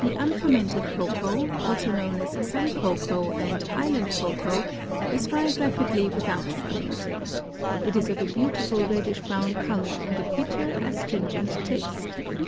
The unfermented cocoa, also known as sun cocoa and island cocoa, is dried rapidly without fermenting. It is of a beautiful reddish brown color and a bitter astringent taste.